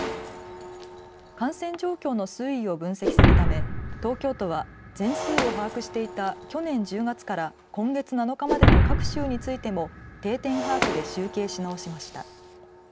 感染状況の推移を分析するため東京都は全数を把握していた去年１０月から今月７日までの各週についても定点把握で集計し直しました。